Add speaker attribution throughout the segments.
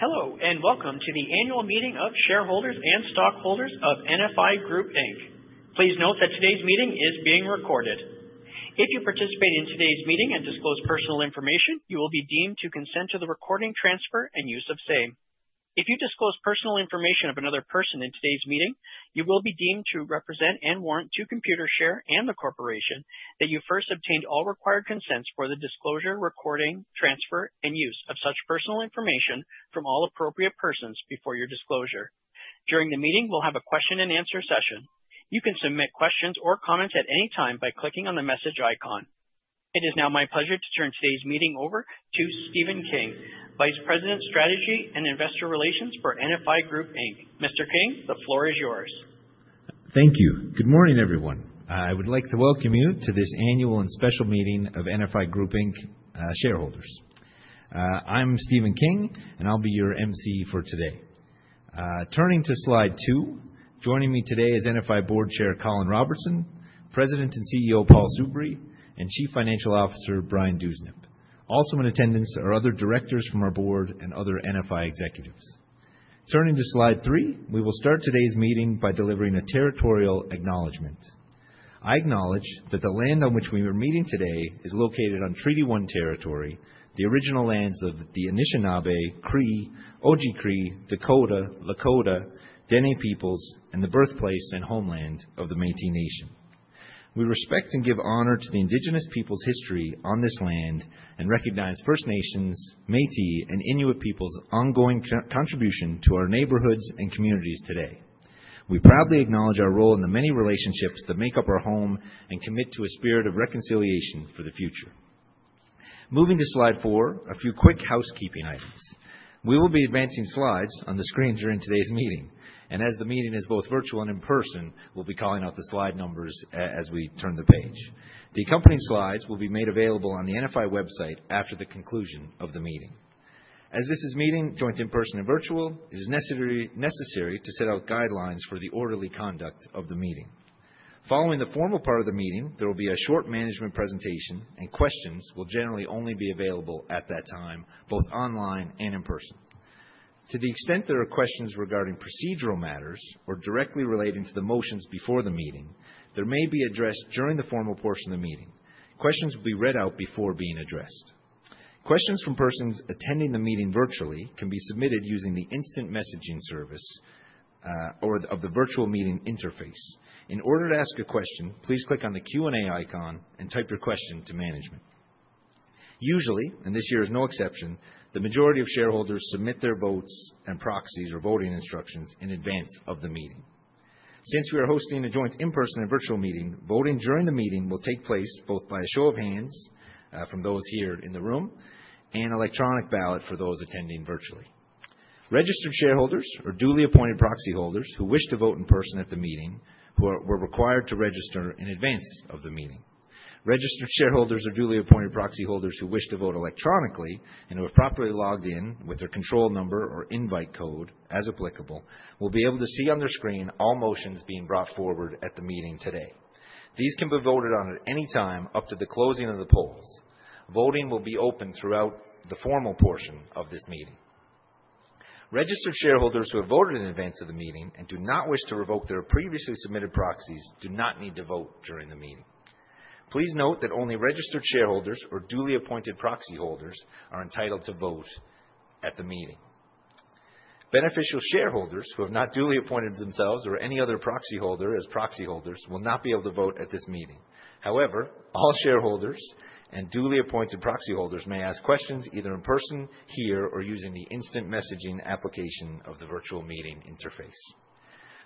Speaker 1: Hello, and welcome to the annual meeting of shareholders and stockholders of NFI Group, Inc. Please note that today's meeting is being recorded. If you participate in today's meeting and disclose personal information, you will be deemed to consent to the recording, transfer, and use of same. If you disclose personal information of another person in today's meeting, you will be deemed to represent and warrant to Computershare and the corporation that you first obtained all required consents for the disclosure, recording, transfer, and use of such personal information from all appropriate persons before your disclosure. During the meeting, we'll have a question-and-answer session. You can submit questions or comments at any time by clicking on the message icon. It is now my pleasure to turn today's meeting over to Stephen King, Vice President, Strategy and Investor Relations for NFI Group, Inc. Mr. King, the floor is yours.
Speaker 2: Thank you. Good morning, everyone. I would like to welcome you to this annual and special meeting of NFI Group, Inc. shareholders. I'm Stephen King, and I'll be your MC for today. Turning to slide two, joining me today is NFI Board Chair Colin Robertson, President and CEO Paul Soubry, and Chief Financial Officer Brian Dewsnup. Also in attendance are other directors from our board and other NFI executives. Turning to slide three, we will start today's meeting by delivering a territorial acknowledgment. I acknowledge that the land on which we are meeting today is located on Treaty One territory, the original lands of the Anishinaabe, Cree, Oji-Cree, Dakota, Lakota, Dene peoples, and the birthplace and homeland of the Métis Nation. We respect and give honor to the Indigenous peoples' history on this land and recognize First Nations, Métis, and Inuit peoples' ongoing contribution to our neighborhoods and communities today. We proudly acknowledge our role in the many relationships that make up our home and commit to a spirit of reconciliation for the future. Moving to slide four, a few quick housekeeping items. We will be advancing slides on the screen during today's meeting, and as the meeting is both virtual and in person, we'll be calling out the slide numbers as we turn the page. The accompanying slides will be made available on the NFI website after the conclusion of the meeting. As this is a meeting joint in person and virtual, it is necessary to set out guidelines for the orderly conduct of the meeting. Following the formal part of the meeting, there will be a short management presentation, and questions will generally only be available at that time, both online and in person. To the extent there are questions regarding procedural matters or directly relating to the motions before the meeting, they may be addressed during the formal portion of the meeting. Questions will be read out before being addressed. Questions from persons attending the meeting virtually can be submitted using the instant messaging service or via the virtual meeting interface. In order to ask a question, please click on the Q&A icon and type your question to management. Usually, and this year is no exception, the majority of shareholders submit their votes and proxies or voting instructions in advance of the meeting. Since we are hosting a joint in-person and virtual meeting, voting during the meeting will take place both by a show of hands from those here in the room and electronic ballot for those attending virtually. Registered shareholders are duly appointed proxy holders who wish to vote in person at the meeting who were required to register in advance of the meeting. Registered shareholders are duly appointed proxy holders who wish to vote electronically and who are properly logged in with their control number or invite code as applicable will be able to see on their screen all motions being brought forward at the meeting today. These can be voted on at any time up to the closing of the polls. Voting will be open throughout the formal portion of this meeting. Registered shareholders who have voted in advance of the meeting and do not wish to revoke their previously submitted proxies do not need to vote during the meeting. Please note that only registered shareholders or duly appointed proxy holders are entitled to vote at the meeting. Beneficial shareholders who have not duly appointed themselves or any other proxy holder as proxy holders will not be able to vote at this meeting. However, all shareholders and duly appointed proxy holders may ask questions either in person, here, or using the instant messaging application of the virtual meeting interface.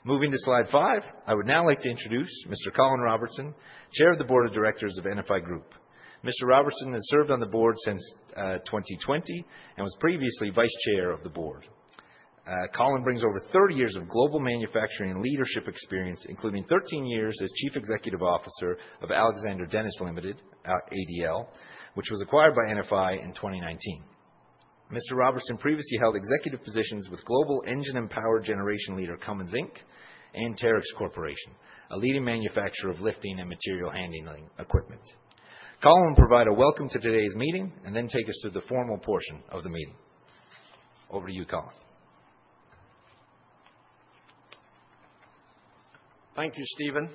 Speaker 2: Moving to slide five, I would now like to introduce Mr. Colin Robertson, Chair of the Board of Directors of NFI Group. Mr. Robertson has served on the board since 2020 and was previously Vice Chair of the board. Colin brings over 30 years of global manufacturing and leadership experience, including 13 years as Chief Executive Officer of Alexander Dennis Limited, ADL, which was acquired by NFI in 2019. Mr. Robertson previously held executive positions with global engine and power generation leader Cummins Inc. and Terex Corporation, a leading manufacturer of lifting and material handling equipment. Colin will provide a welcome to today's meeting and then take us through the formal portion of the meeting. Over to you, Colin.
Speaker 3: Thank you, Stephen.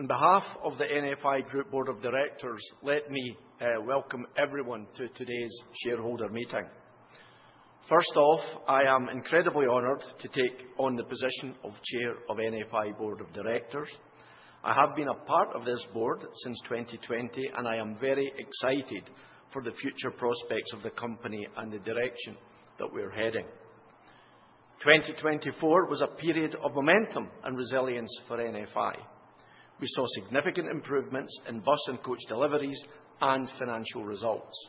Speaker 3: On behalf of the NFI Group Board of Directors, let me welcome everyone to today's shareholder meeting. First off, I am incredibly honored to take on the position of Chair of NFI Board of Directors. I have been a part of this board since 2020, and I am very excited for the future prospects of the company and the direction that we're heading. 2024 was a period of momentum and resilience for NFI. We saw significant improvements in bus and coach deliveries and financial results.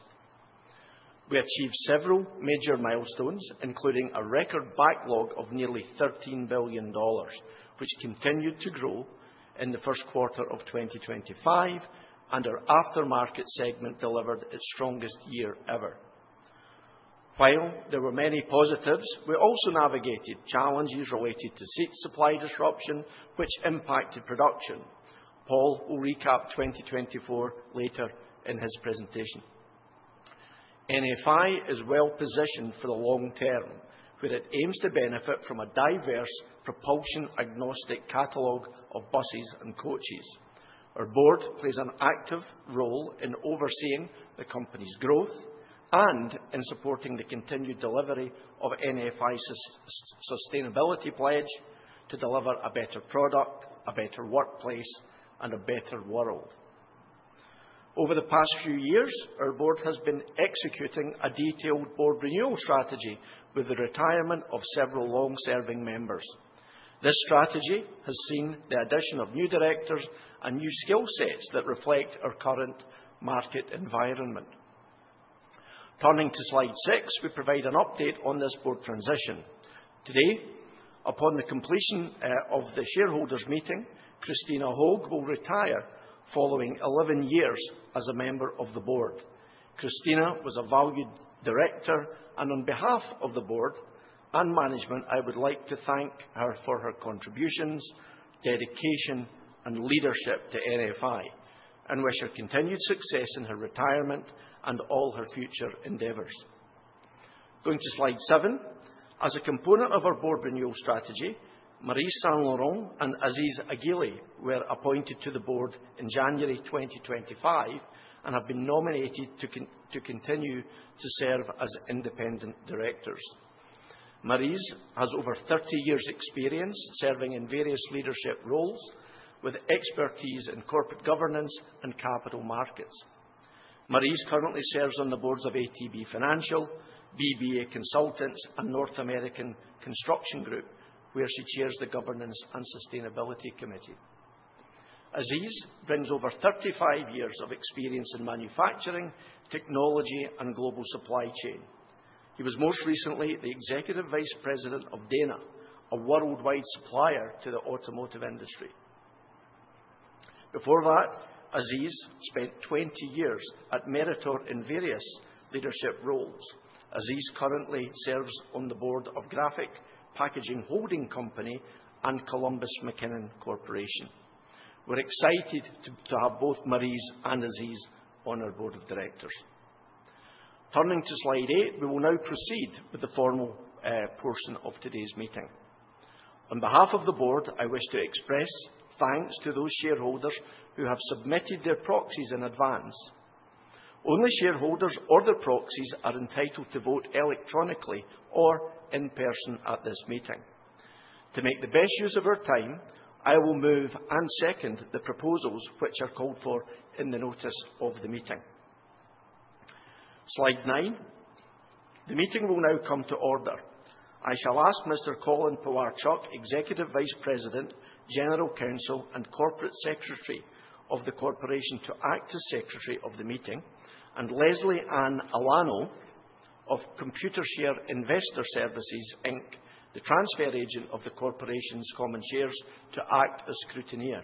Speaker 3: We achieved several major milestones, including a record backlog of nearly $13 billion, which continued to grow in the first quarter of 2025, and our aftermarket segment delivered its strongest year ever. While there were many positives, we also navigated challenges related to seat supply disruption, which impacted production. Paul will recap 2024 later in his presentation. NFI is well positioned for the long term, where it aims to benefit from a diverse propulsion-agnostic catalog of buses and coaches. Our board plays an active role in overseeing the company's growth and in supporting the continued delivery of NFI's sustainability pledge to deliver a better product, a better workplace, and a better world. Over the past few years, our board has been executing a detailed board renewal strategy with the retirement of several long-serving members. This strategy has seen the addition of new directors and new skill sets that reflect our current market environment. Turning to slide six, we provide an update on this board transition. Today, upon the completion of the shareholders' meeting, Krystyna Hoeg will retire following 11 years as a member of the board. Krystyna was a valued director, and on behalf of the board and management, I would like to thank her for her contributions, dedication, and leadership to NFI and wish her continued success in her retirement and all her future endeavors. Going to slide seven, as a component of our board renewal strategy, Maryse Saint-Laurent and Aziz Aghili were appointed to the board in January 2025 and have been nominated to continue to serve as independent directors. Maryse has over 30 years' experience serving in various leadership roles with expertise in corporate governance and capital markets. Maryse currently serves on the boards of ATB Financial, BBA Consultants, and North American Construction Group, where she chairs the Governance and Sustainability Committee. Aziz brings over 35 years of experience in manufacturing, technology, and global supply chain. He was most recently the Executive Vice President of Dana, a worldwide supplier to the automotive industry. Before that, Aziz spent 20 years at Meritor in various leadership roles. Aziz currently serves on the board of Graphic Packaging Holding Company and Columbus McKinnon Corporation. We're excited to have both Maryse and Aziz on our board of directors. Turning to slide eight, we will now proceed with the formal portion of today's meeting. On behalf of the board, I wish to express thanks to those shareholders who have submitted their proxies in advance. Only shareholders or their proxies are entitled to vote electronically or in person at this meeting. To make the best use of our time, I will move and second the proposals which are called for in the notice of the meeting. Slide nine, the meeting will now come to order. I shall ask Mr. Colin Pewarchuk, Executive Vice President, General Counsel, and Corporate Secretary of the corporation to act as Secretary of the meeting, and Lesley Anne Alano of Computershare Investor Services Inc., the transfer agent of the corporation's common shares, to act as scrutineer.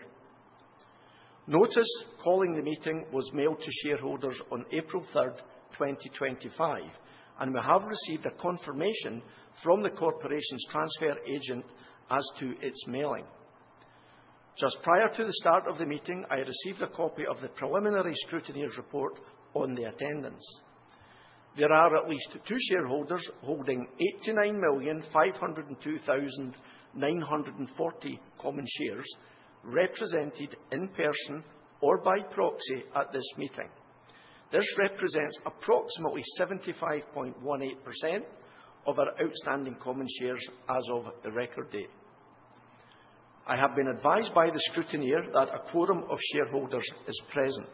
Speaker 3: Notice calling the meeting was mailed to shareholders on April 3rd, 2025, and we have received a confirmation from the corporation's transfer agent as to its mailing. Just prior to the start of the meeting, I received a copy of the preliminary scrutineer's report on the attendance. There are at least two shareholders holding 89,502,940 common shares represented in person or by proxy at this meeting. This represents approximately 75.18% of our outstanding common shares as of the record date. I have been advised by the scrutineer that a quorum of shareholders is present.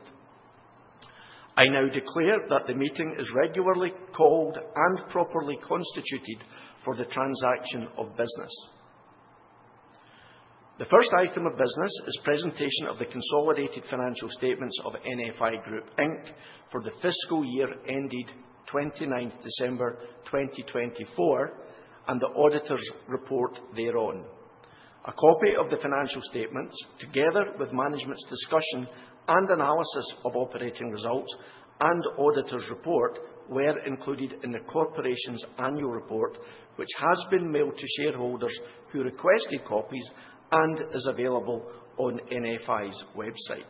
Speaker 3: I now declare that the meeting is regularly called and properly constituted for the transaction of business. The first item of business is presentation of the consolidated financial statements of NFI Group, Inc., for the fiscal year ended 29th December 2024 and the auditor's report thereon. A copy of the financial statements, together with management's discussion and analysis of operating results and auditor's report, were included in the corporation's annual report, which has been mailed to shareholders who requested copies and is available on NFI's website.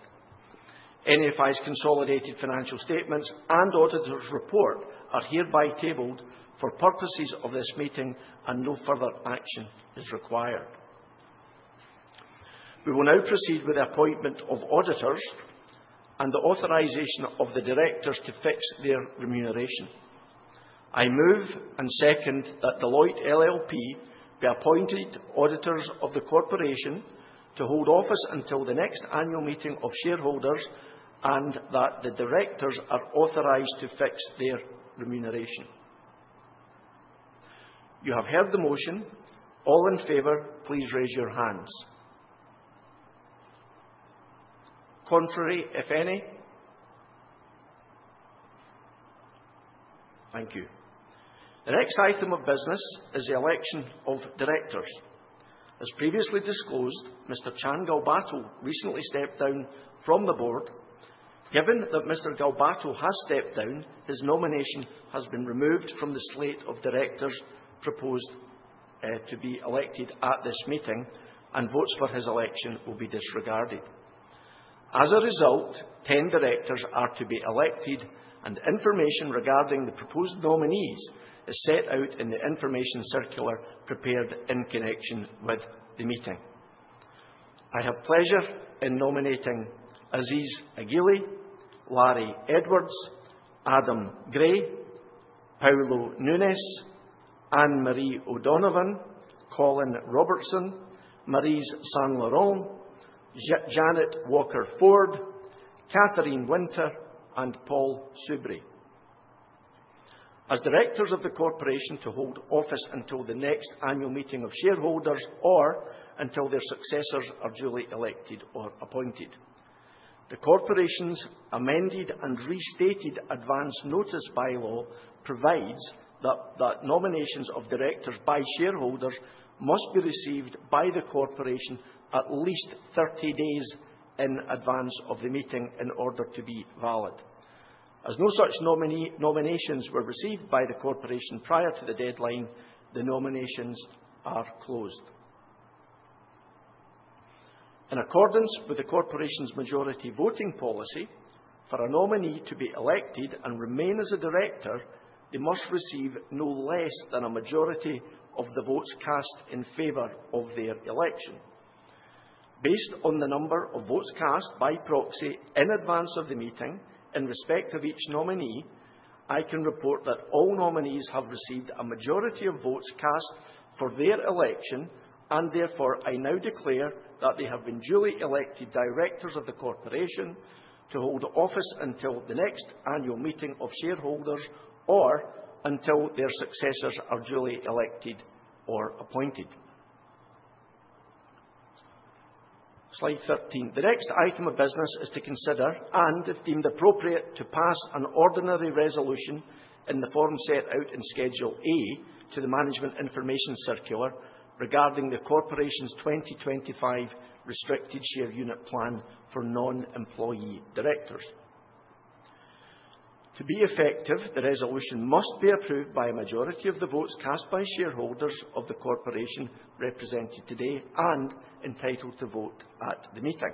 Speaker 3: NFI's consolidated financial statements and auditor's report are hereby tabled for purposes of this meeting, and no further action is required. We will now proceed with the appointment of auditors and the authorization of the directors to fix their remuneration. I move and second that Deloitte LLP be appointed auditors of the corporation to hold office until the next annual meeting of shareholders and that the directors are authorized to fix their remuneration. You have heard the motion. All in favor, please raise your hands. Contrary, if any? Thank you. The next item of business is the election of directors. As previously disclosed, Mr. Chan Galbato recently stepped down from the board. Given that Mr. Galbato has stepped down, his nomination has been removed from the slate of directors proposed to be elected at this meeting, and votes for his election will be disregarded. As a result, 10 directors are to be elected, and information regarding the proposed nominees is set out in the information circular prepared in connection with the meeting. I have pleasure in nominating Aziz Aghili, Larry Edwards, Adam Gray, Paulo Nunes, Anne Marie O'Donovan, Colin Robertson, Maryse Saint-Laurent, Jannet Walker Ford, Katherine Winter, and Paul Soubry as directors of the corporation to hold office until the next annual meeting of shareholders or until their successors are duly elected or appointed. The corporation's amended and restated Advance Notice Bylaw provides that nominations of directors by shareholders must be received by the corporation at least 30 days in advance of the meeting in order to be valid. As no such nominations were received by the corporation prior to the deadline, the nominations are closed. In accordance with the corporation's Majority Voting Policy, for a nominee to be elected and remain as a director, they must receive no less than a majority of the votes cast in favor of their election. Based on the number of votes cast by proxy in advance of the meeting in respect of each nominee, I can report that all nominees have received a majority of votes cast for their election, and therefore I now declare that they have been duly elected directors of the corporation to hold office until the next annual meeting of shareholders or until their successors are duly elected or appointed. Slide 13. The next item of business is to consider and, if deemed appropriate, to pass an ordinary resolution in the form set out in Schedule A to the Management Information Circular regarding the corporation's 2025 Restricted Share Unit Plan for non-employee directors. To be effective, the resolution must be approved by a majority of the votes cast by shareholders of the corporation represented today and entitled to vote at the meeting.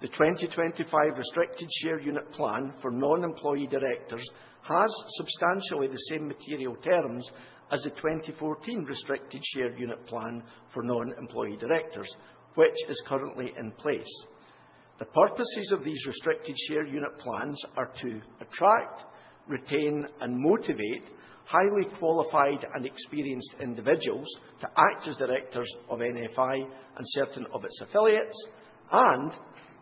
Speaker 3: The 2025 Restricted Share Unit Plan for non-employee directors has substantially the same material terms as the 2014 Restricted Share Unit Plan for non-employee directors, which is currently in place. The purposes of these Restricted Share Unit Plans are to attract, retain, and motivate highly qualified and experienced individuals to act as directors of NFI and certain of its affiliates and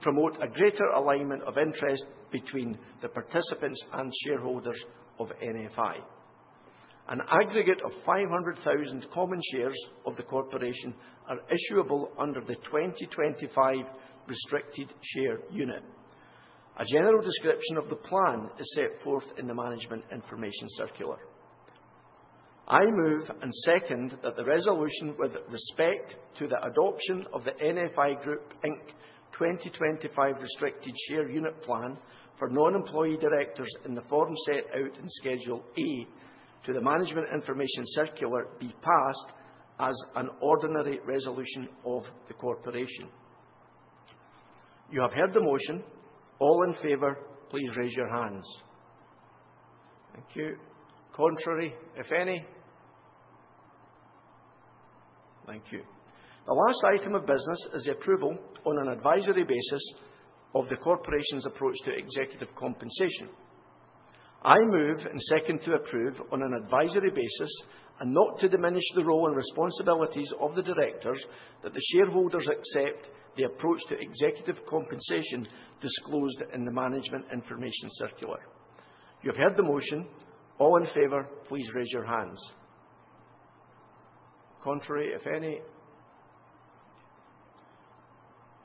Speaker 3: promote a greater alignment of interest between the participants and shareholders of NFI. An aggregate of 500,000 common shares of the corporation are issuable under the 2025 Restricted Share Unit. A general description of the plan is set forth in the Management Information Circular. I move and second that the resolution, with respect to the adoption of the NFI Group, Inc., 2025 Restricted Share Unit Plan for non-employee directors in the form set out in Schedule A to the Management Information Circular, be passed as an ordinary resolution of the corporation. You have heard the motion. All in favor, please raise your hands. Thank you. Contrary, if any? Thank you. The last item of business is the approval on an advisory basis of the corporation's approach to executive compensation. I move and second to approve on an advisory basis and not to diminish the role and responsibilities of the directors that the shareholders accept the approach to executive compensation disclosed in the Management Information Circular. You have heard the motion. All in favor, please raise your hands. Contrary, if any?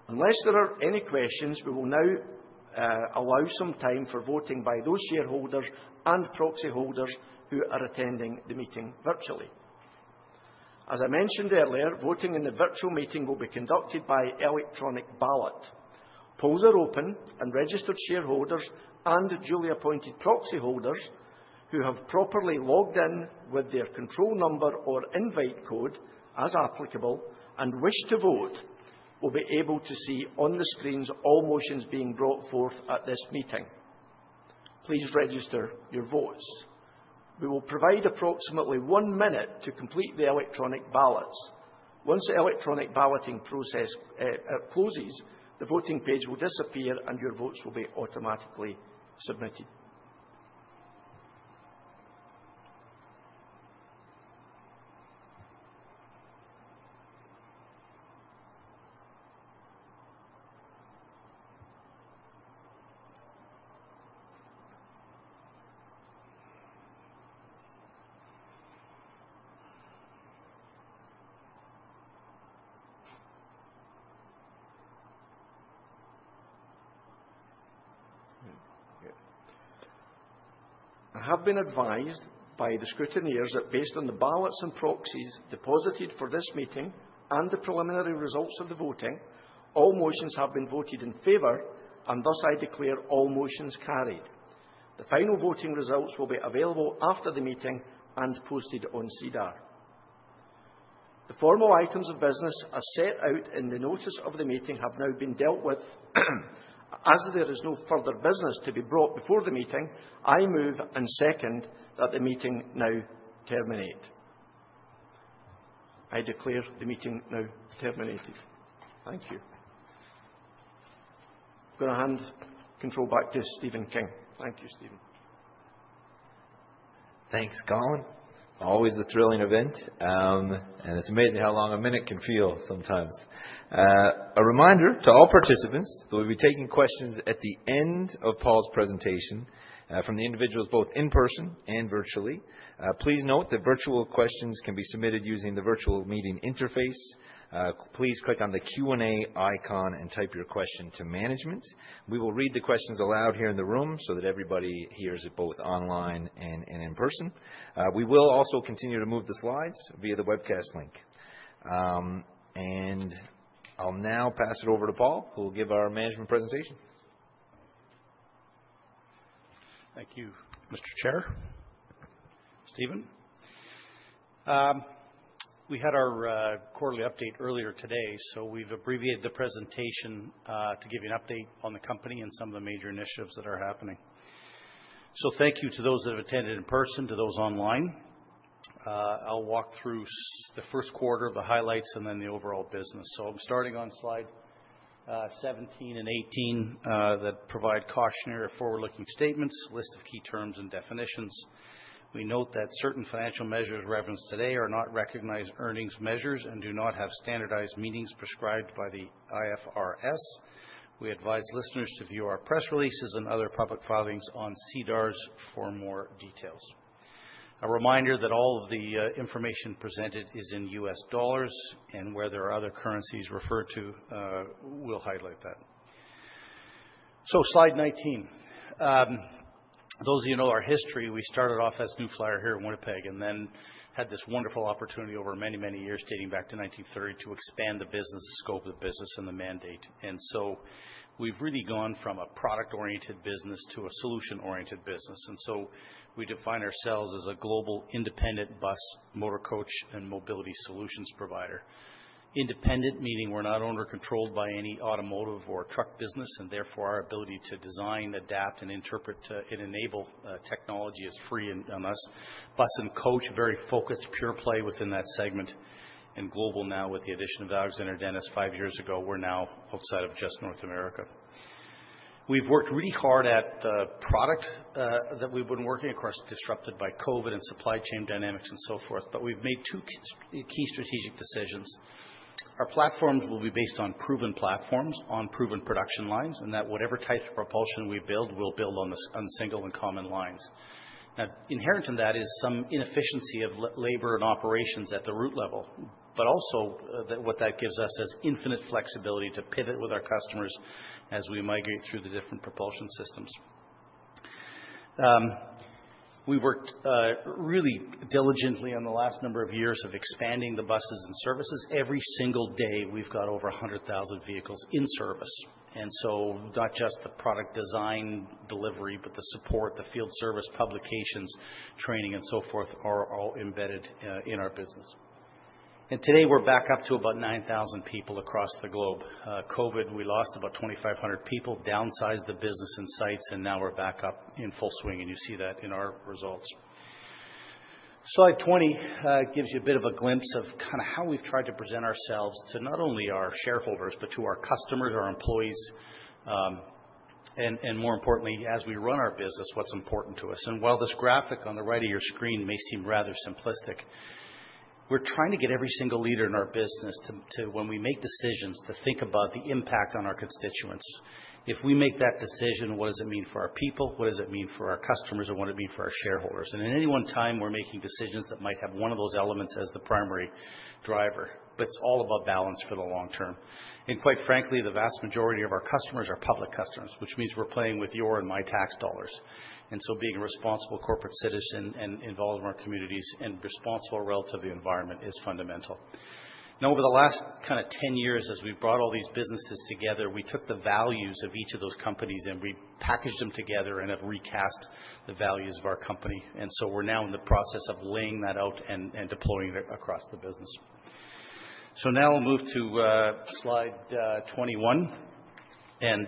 Speaker 3: Unless there are any questions, we will now allow some time for voting by those shareholders and proxy holders who are attending the meeting virtually. As I mentioned earlier, voting in the virtual meeting will be conducted by electronic ballot. Polls are open and registered shareholders and duly appointed proxy holders who have properly logged in with their control number or invite code, as applicable, and wish to vote will be able to see on the screens all motions being brought forth at this meeting. Please register your votes. We will provide approximately one minute to complete the electronic ballots. Once the electronic balloting process closes, the voting page will disappear and your votes will be automatically submitted. I have been advised by the scrutineers that based on the ballots and proxies deposited for this meeting and the preliminary results of the voting, all motions have been voted in favour, and thus I declare all motions carried. The final voting results will be available after the meeting and posted on SEDAR. The formal items of business as set out in the notice of the meeting have now been dealt with. As there is no further business to be brought before the meeting, I move and second that the meeting now terminate. I declare the meeting now terminated. Thank you. I'm going to hand control back to Stephen King. Thank you, Stephen.
Speaker 2: Thanks, Colin. Always a thrilling event, and it's amazing how long a minute can feel sometimes. A reminder to all participants, we'll be taking questions at the end of Paul's presentation from the individuals both in person and virtually. Please note that virtual questions can be submitted using the virtual meeting interface. Please click on the Q&A icon and type your question to management. We will read the questions aloud here in the room so that everybody hears it both online and in person. We will also continue to move the slides via the webcast link, and I'll now pass it over to Paul, who will give our management presentation.
Speaker 4: Thank you, Mr. Chair, Stephen. We had our quarterly update earlier today, so we've abbreviated the presentation to give you an update on the company and some of the major initiatives that are happening, so thank you to those that have attended in person, to those online. I'll walk through the first quarter, the highlights, and then the overall business. So I'm starting on slide 17 and 18 that provide cautionary or forward-looking statements, a list of key terms and definitions. We note that certain financial measures referenced today are not recognized earnings measures and do not have standardized meanings prescribed by the IFRS. We advise listeners to view our press releases and other public filings on SEDARs for more details. A reminder that all of the information presented is in U.S. dollars, and where there are other currencies referred to, we'll highlight that. So slide 19. Those of you who know our history, we started off as New Flyer here in Winnipeg and then had this wonderful opportunity over many, many years dating back to 1930 to expand the business, scope of the business, and the mandate. And so we've really gone from a product-oriented business to a solution-oriented business. And so we define ourselves as a global independent bus, motor coach, and mobility solutions provider. Independent meaning we're not owned or controlled by any automotive or truck business, and therefore our ability to design, adapt, and integrate and enable technology is free to us. Bus and coach very focused, pure play within that segment and global now with the addition of Alexander Dennis five years ago. We're now outside of just North America. We've worked really hard on the product that we've been working across disruptions by COVID and supply chain dynamics and so forth, but we've made two key strategic decisions. Our platforms will be based on proven platforms, on proven production lines, and that whatever type of propulsion we build, we'll build on single and common lines. Now, inherent in that is some inefficiency of labor and operations at the root level, but also what that gives us is infinite flexibility to pivot with our customers as we migrate through the different propulsion systems. We've worked really diligently on the last number of years of expanding the buses and services. Every single day, we've got over 100,000 vehicles in service. So not just the product design, delivery, but the support, the field service, publications, training, and so forth are all embedded in our business. Today we're back up to about 9,000 people across the globe. COVID, we lost about 2,500 people, downsized the business and sites, and now we're back up in full swing, and you see that in our results. Slide 20 gives you a bit of a glimpse of kind of how we've tried to present ourselves to not only our shareholders, but to our customers, our employees, and more importantly, as we run our business, what's important to us, and while this graphic on the right of your screen may seem rather simplistic, we're trying to get every single leader in our business to, when we make decisions, to think about the impact on our constituents. If we make that decision, what does it mean for our people? What does it mean for our customers, and what does it mean for our shareholders, and at any one time, we're making decisions that might have one of those elements as the primary driver, but it's all about balance for the long term. Quite frankly, the vast majority of our customers are public customers, which means we're playing with your and my tax dollars, so being a responsible corporate citizen and involved in our communities and responsible relative to the environment is fundamental. Now, over the last kind of 10 years, as we've brought all these businesses together, we took the values of each of those companies and we packaged them together and have recast the values of our company, so we're now in the process of laying that out and deploying it across the business, so now I'll move to slide 21, and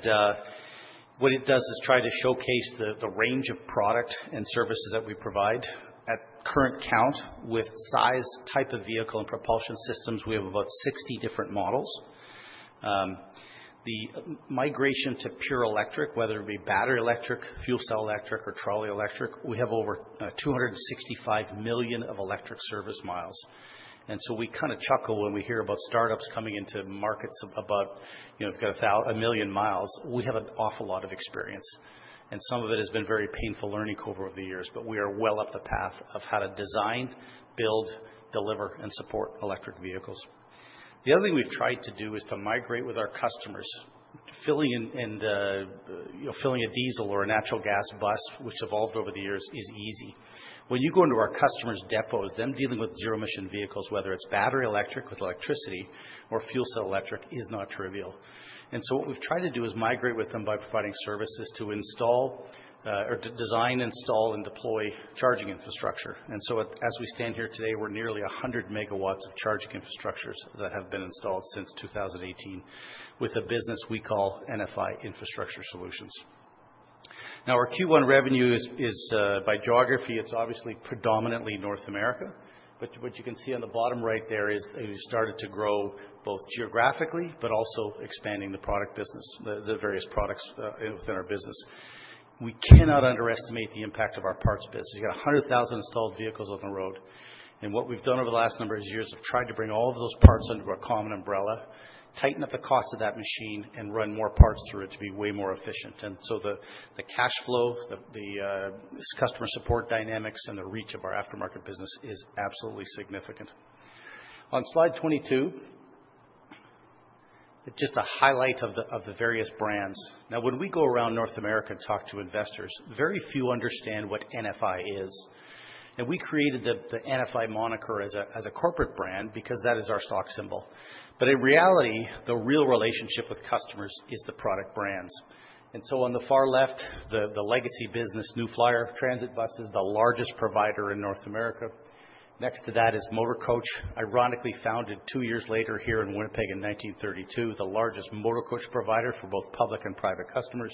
Speaker 4: what it does is try to showcase the range of product and services that we provide at current count with size, type of vehicle, and propulsion systems. We have about 60 different models. The migration to pure electric, whether it be battery electric, fuel cell electric, or trolley electric. We have over 265 million of electric service miles, and so we kind of chuckle when we hear about startups coming into markets of about, you know, if you've got a million miles, we have an awful lot of experience, and some of it has been very painful learning over the years, but we are well up the path of how to design, build, deliver, and support electric vehicles. The other thing we've tried to do is to migrate with our customers. Filling a diesel or a natural gas bus, which evolved over the years, is easy. When you go into our customers' depots, them dealing with zero-emission vehicles, whether it's battery electric with electricity or fuel cell electric, is not trivial. And so what we've tried to do is migrate with them by providing services to install or design, install, and deploy charging infrastructure. And so as we stand here today, we're nearly 100 megawatts of charging infrastructures that have been installed since 2018 with a business we call NFI Infrastructure Solutions. Now, our Q1 revenue is, by geography, it's obviously predominantly North America, but what you can see on the bottom right there is we've started to grow both geographically, but also expanding the product business, the various products within our business. We cannot underestimate the impact of our parts business. You've got 100,000 installed vehicles on the road. And what we've done over the last number of years is we've tried to bring all of those parts under a common umbrella, tighten up the cost of that machine, and run more parts through it to be way more efficient. The cash flow, the customer support dynamics, and the reach of our aftermarket business is absolutely significant. On slide 22, just a highlight of the various brands. Now, when we go around North America and talk to investors, very few understand what NFI is. And we created the NFI moniker as a corporate brand because that is our stock symbol. But in reality, the real relationship with customers is the product brands. And so on the far left, the legacy business, New Flyer transit buses, the largest provider in North America. Next to that is Motor Coach, ironically founded two years later here in Winnipeg in 1932, the largest motor coach provider for both public and private customers.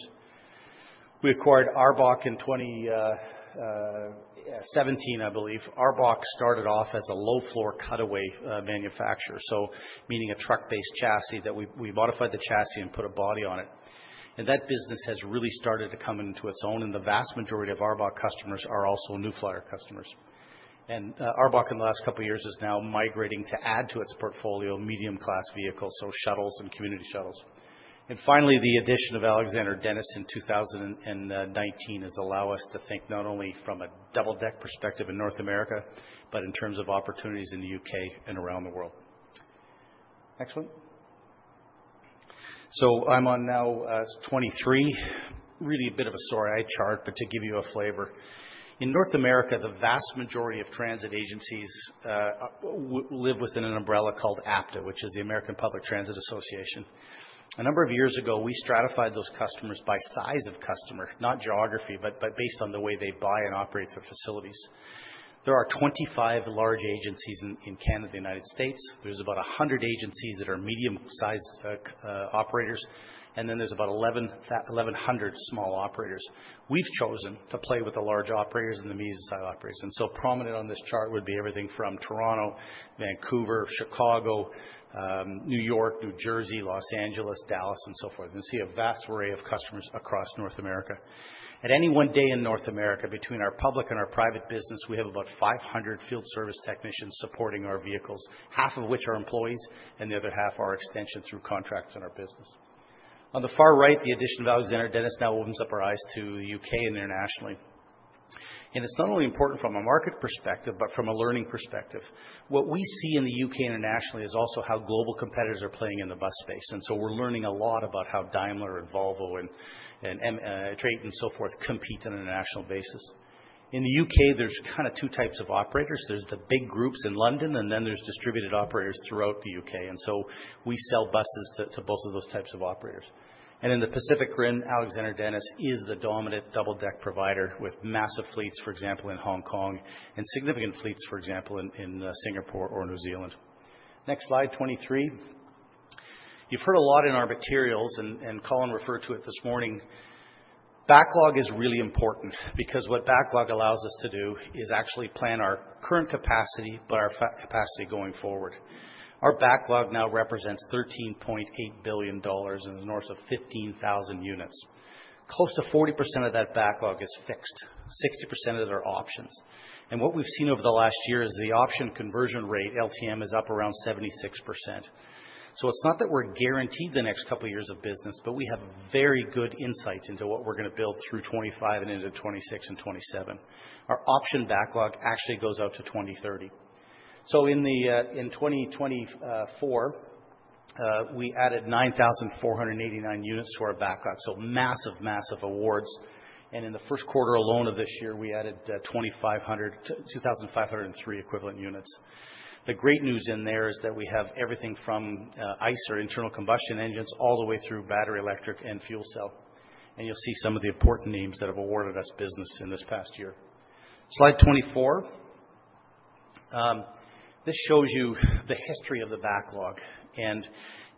Speaker 4: We acquired ARBOC in 2017, I believe. ARBOC started off as a low-floor cutaway manufacturer, so meaning a truck-based chassis that we modified the chassis and put a body on it. And that business has really started to come into its own, and the vast majority of ARBOC customers are also New Flyer customers. And ARBOC in the last couple of years is now migrating to add to its portfolio medium-class vehicles, so shuttles and community shuttles. And finally, the addition of Alexander Dennis in 2019 has allowed us to think not only from a double-deck perspective in North America, but in terms of opportunities in the UK and around the world. Next one. So I'm on now 23. Really a bit of a sorry eye chart, but to give you a flavor. In North America, the vast majority of transit agencies live within an umbrella called APTA, which is the American Public Transit Association. A number of years ago, we stratified those customers by size of customer, not geography, but based on the way they buy and operate their facilities. There are 25 large agencies in Canada, the United States. There's about 100 agencies that are medium-sized operators, and then there's about 1,100 small operators. We've chosen to play with the large operators and the medium-sized operators. And so prominent on this chart would be everything from Toronto, Vancouver, Chicago, New York, New Jersey, Los Angeles, Dallas, and so forth. You can see a vast array of customers across North America. At any one day in North America, between our public and our private business, we have about 500 field service technicians supporting our vehicles, half of which are employees, and the other half are extension through contracts in our business. On the far right, the addition of Alexander Dennis now opens up our eyes to the U.K. and internationally. And it's not only important from a market perspective, but from a learning perspective. What we see in the U.K. internationally is also how global competitors are playing in the bus space. And so we're learning a lot about how Daimler and Volvo and TRATON and so forth compete on an international basis. In the U.K., there's kind of two types of operators. There's the big groups in London, and then there's distributed operators throughout the U.K. And so we sell buses to both of those types of operators. And in the Pacific Rim, Alexander Dennis is the dominant double-deck provider with massive fleets, for example, in Hong Kong, and significant fleets, for example, in Singapore or New Zealand. Next slide, 23. You've heard a lot in our materials, and Colin referred to it this morning. Backlog is really important because what backlog allows us to do is actually plan our current capacity, but our capacity going forward. Our backlog now represents $13.8 billion and is north of 15,000 units. Close to 40% of that backlog is fixed. 60% of those are options. And what we've seen over the last year is the option conversion rate, LTM, is up around 76%. So it's not that we're guaranteed the next couple of years of business, but we have very good insights into what we're going to build through 2025 and into 2026 and 2027. Our option backlog actually goes out to 2030. So in 2024, we added 9,489 units to our backlog, so massive, massive awards. And in the first quarter alone of this year, we added 2,503 equivalent units. The great news in there is that we have everything from ICE, or internal combustion engines, all the way through battery electric and fuel cell, and you'll see some of the important names that have awarded us business in this past year. Slide 24. This shows you the history of the backlog, and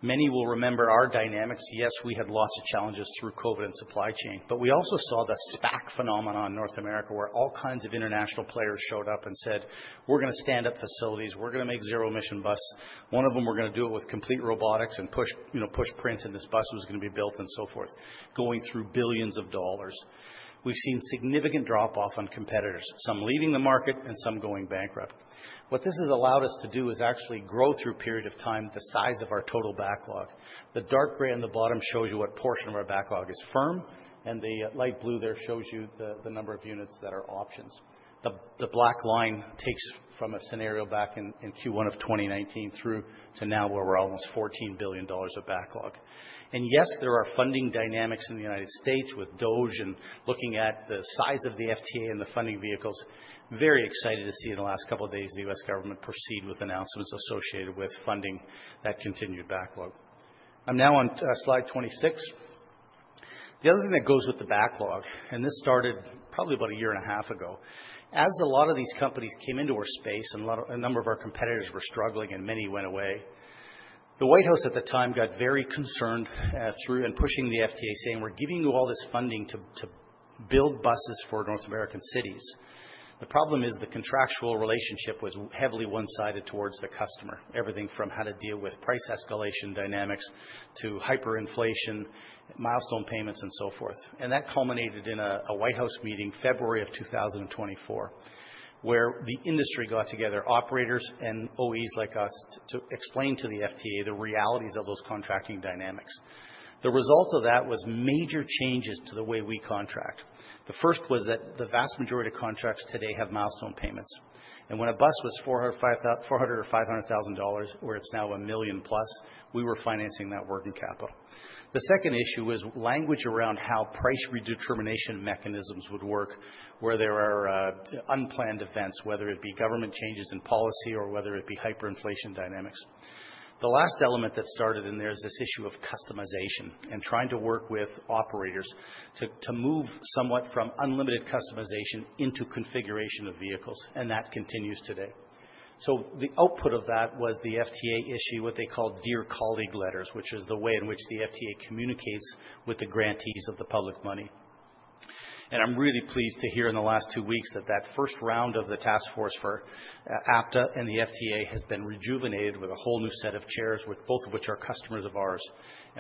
Speaker 4: many will remember our dynamics. Yes, we had lots of challenges through COVID and supply chain, but we also saw the SPAC phenomenon in North America where all kinds of international players showed up and said, "We're going to stand up facilities. We're going to make zero-emission buses. One of them, we're going to do it with complete robotics and 3D print, and this bus was going to be built," and so forth, going through billions of dollars. We've seen significant drop-off on competitors, some leaving the market and some going bankrupt. What this has allowed us to do is actually grow through a period of time the size of our total backlog. The dark gray on the bottom shows you what portion of our backlog is firm, and the light blue there shows you the number of units that are options. The black line takes from a scenario back in Q1 of 2019 through to now where we're almost $14 billion of backlog. And yes, there are funding dynamics in the United States with DOGE and looking at the size of the FTA and the funding vehicles. Very excited to see in the last couple of days the U.S. government proceed with announcements associated with funding that continued backlog. I'm now on slide 26. The other thing that goes with the backlog, and this started probably about a year and a half ago, as a lot of these companies came into our space and a number of our competitors were struggling and many went away. The White House at the time got very concerned through and pushing the FTA, saying, "We're giving you all this funding to build buses for North American cities." The problem is the contractual relationship was heavily one-sided towards the customer, everything from how to deal with price escalation dynamics to hyperinflation, milestone payments, and so forth. And that culminated in a White House meeting February of 2024 where the industry got together, operators and OEs like us, to explain to the FTA the realities of those contracting dynamics. The result of that was major changes to the way we contract. The first was that the vast majority of contracts today have milestone payments, and when a bus was $400,000 or $500,000, where it's now a million plus, we were financing that working capital. The second issue was language around how price redetermination mechanisms would work where there are unplanned events, whether it be government changes in policy or whether it be hyperinflation dynamics. The last element that started in there is this issue of customization and trying to work with operators to move somewhat from unlimited customization into configuration of vehicles, and that continues today, so the output of that was the FTA issued what they call Dear Colleague Letters, which is the way in which the FTA communicates with the grantees of the public money. I'm really pleased to hear in the last two weeks that that first round of the task force for APTA and the FTA has been rejuvenated with a whole new set of chairs, both of which are customers of ours.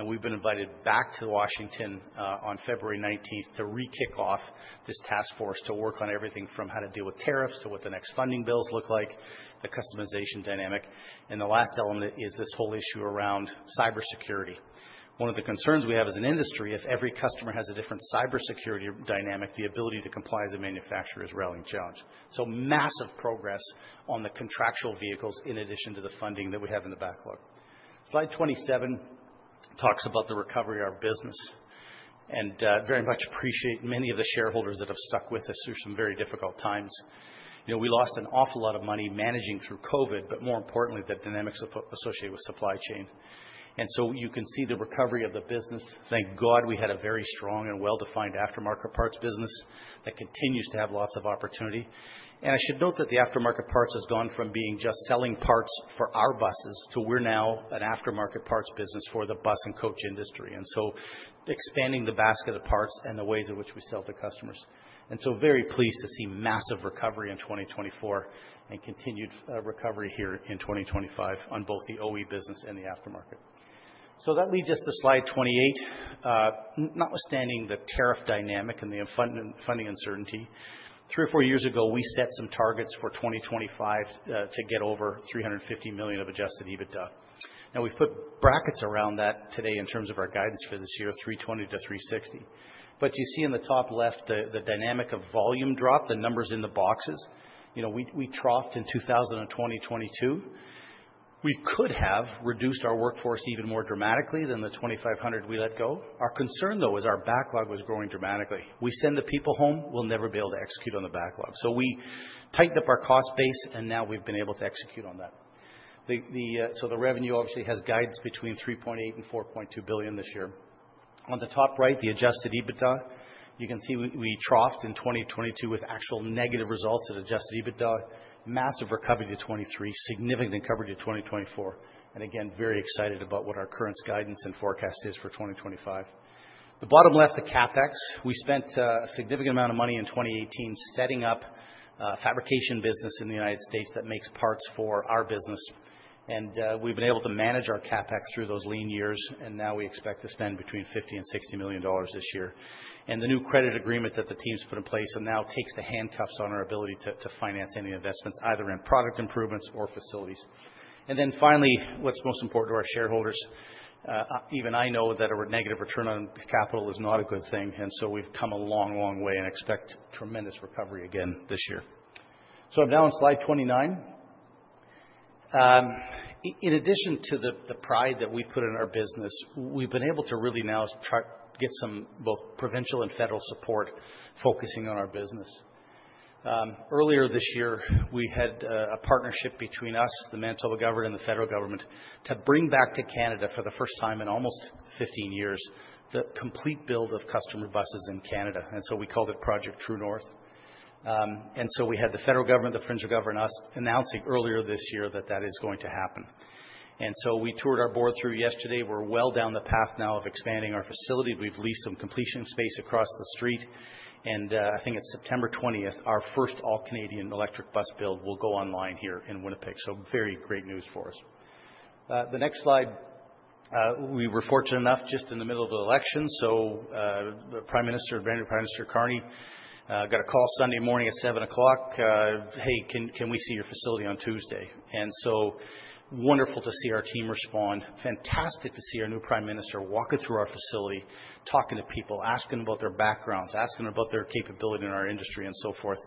Speaker 4: We've been invited back to Washington on February 19th to re-kick off this task force to work on everything from how to deal with tariffs to what the next funding bills look like, the customization dynamic. The last element is this whole issue around cybersecurity. One of the concerns we have as an industry, if every customer has a different cybersecurity dynamic, the ability to comply as a manufacturer is a relevant challenge. So massive progress on the contractual vehicles in addition to the funding that we have in the backlog. Slide 27 talks about the recovery of our business. I very much appreciate many of the shareholders that have stuck with us through some very difficult times. We lost an awful lot of money managing through COVID, but more importantly, the dynamics associated with supply chain. You can see the recovery of the business. Thank God we had a very strong and well-defined aftermarket parts business that continues to have lots of opportunity. I should note that the aftermarket parts has gone from being just selling parts for our buses to we're now an aftermarket parts business for the bus and coach industry, expanding the basket of parts and the ways in which we sell to customers. I am very pleased to see massive recovery in 2024 and continued recovery here in 2025 on both the OE business and the aftermarket. That leads us to slide 28. Notwithstanding the tariff dynamic and the funding uncertainty, three or four years ago, we set some targets for 2025 to get over $350 million of Adjusted EBITDA. Now, we've put brackets around that today in terms of our guidance for this year, $320 million to $360 million. But you see in the top left the dynamic of volume drop, the numbers in the boxes. We troughed in 2020-2022. We could have reduced our workforce even more dramatically than the 2,500 we let go. Our concern, though, is our backlog was growing dramatically. We send the people home, we'll never be able to execute on the backlog. So we tightened up our cost base, and now we've been able to execute on that. So the revenue obviously has guidance between $3.8 billion and $4.2 billion this year. On the top right, the Adjusted EBITDA, you can see we troughed in 2022 with actual negative results in Adjusted EBITDA, massive recovery to 2023, significant recovery to 2024. And again, very excited about what our current guidance and forecast is for 2025. The bottom left, the CapEx. We spent a significant amount of money in 2018 setting up a fabrication business in the United States that makes parts for our business. And we've been able to manage our CapEx through those lean years, and now we expect to spend between $50 and $60 million this year. And the new credit agreement that the team's put in place now takes the handcuffs on our ability to finance any investments, either in product improvements or facilities. And then finally, what's most important to our shareholders, even I know that a negative return on capital is not a good thing. We've come a long, long way and expect tremendous recovery again this year. I'm now on slide 29. In addition to the pride that we've put in our business, we've been able to really now get some both provincial and federal support focusing on our business. Earlier this year, we had a partnership between us, the Manitoba government, and the federal government to bring back to Canada for the first time in almost 15 years the complete build of customer buses in Canada. We called it Project True North. We had the federal government, the provincial government, and us announcing earlier this year that that is going to happen. We toured our board through yesterday. We're well down the path now of expanding our facility. We've leased some completion space across the street. I think it's September 20th, our first all-Canadian electric bus build will go online here in Winnipeg. Very great news for us. The next slide. We were fortunate enough just in the middle of the election. Prime Minister – brand new Prime Minister Carney – got a call Sunday morning at 7:00 A.M., "Hey, can we see your facility on Tuesday?" It was wonderful to see our team respond, fantastic to see our new Prime Minister walking through our facility, talking to people, asking about their backgrounds, asking about their capability in our industry, and so forth.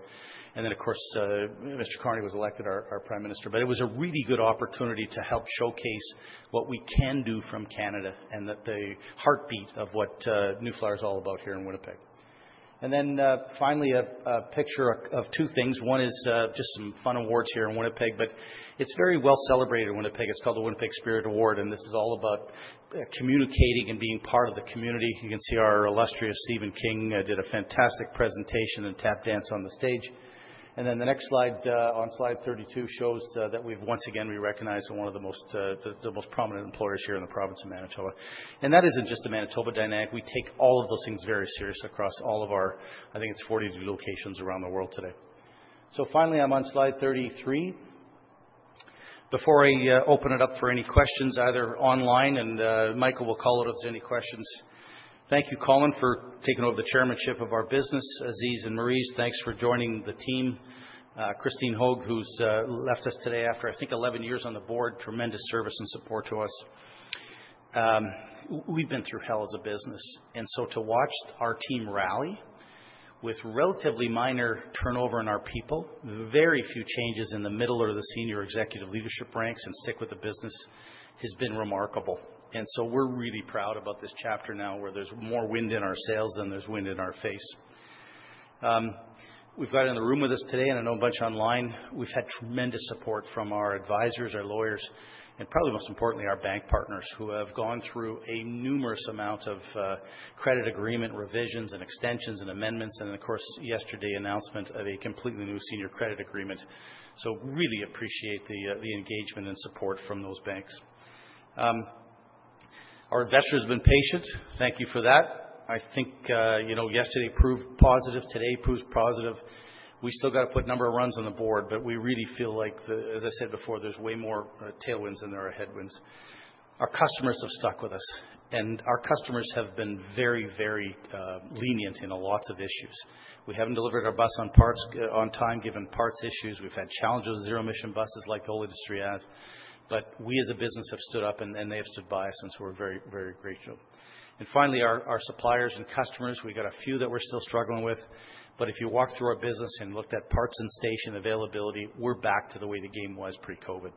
Speaker 4: Then, of course, Mr. Carney was elected our Prime Minister. It was a really good opportunity to help showcase what we can do from Canada and the heartbeat of what New Flyer is all about here in Winnipeg. Finally, a picture of two things. One is just some fun awards here in Winnipeg, but it's very well celebrated in Winnipeg. It's called the Winnipeg Spirit Award, and this is all about communicating and being part of the community. You can see our illustrious Stephen King did a fantastic presentation and tap dance on the stage. And then the next slide on slide 32 shows that we've once again recognized one of the most prominent employers here in the province of Manitoba. And that isn't just a Manitoba dynamic. We take all of those things very seriously across all of our, I think it's 40 locations around the world today. So finally, I'm on slide 33. Before I open it up for any questions, either online and Michael will call it if there's any questions. Thank you, Colin, for taking over the chairmanship of our business. Aziz and Maryse, thanks for joining the team. Krystyna Hoeg, who's left us today after, I think, 11 years on the board, tremendous service and support to us. We've been through hell as a business, and so to watch our team rally with relatively minor turnover in our people, very few changes in the middle or the senior executive leadership ranks and stick with the business has been remarkable, and so we're really proud about this chapter now where there's more wind in our sails than there's wind in our face. We've got in the room with us today, and I know a bunch online. We've had tremendous support from our advisors, our lawyers, and probably most importantly, our bank partners who have gone through a numerous amount of credit agreement revisions and extensions and amendments, and then, of course, yesterday, announcement of a completely new senior credit agreement. So, really appreciate the engagement and support from those banks. Our investor has been patient. Thank you for that. I think yesterday proved positive. Today proves positive. We still got to put a number of runs on the board, but we really feel like, as I said before, there's way more tailwinds than there are headwinds. Our customers have stuck with us, and our customers have been very, very lenient in lots of issues. We haven't delivered our bus on parts on time given parts issues. We've had challenges with zero-emission buses like the old industry has. But we as a business have stood up, and they have stood by us, and so we're very, very grateful and finally, our suppliers and customers, we got a few that we're still struggling with. But if you walk through our business and looked at parts and station availability, we're back to the way the game was pre-COVID.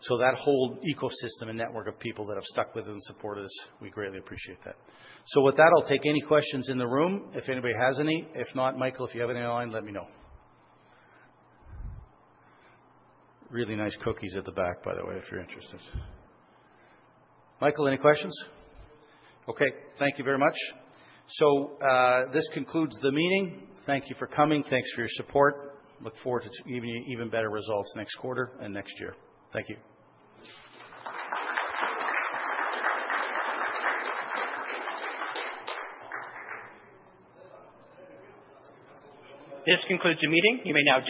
Speaker 4: So that whole ecosystem and network of people that have stuck with us and supported us, we greatly appreciate that. So with that, I'll take any questions in the room if anybody has any. If not, Michael, if you have any online, let me know.
Speaker 3: Really nice cookies at the back, by the way, if you're interested.
Speaker 4: Michael, any questions? Okay. Thank you very much. So this concludes the meeting. Thank you for coming. Thanks for your support. Look forward to even better results next quarter and next year. Thank you.
Speaker 1: This concludes the meeting. You may now.